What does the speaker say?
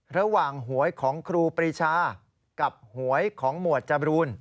หวยของครูปรีชากับหวยของหมวดจบรูน